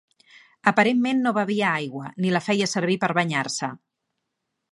Aparentment no bevia aigua, ni la feia servir per banyar-se.